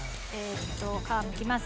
皮むきます。